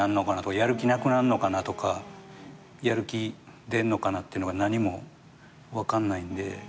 やる気なくなんのかな？とかやる気出んのかな？ってのが何も分かんないんで。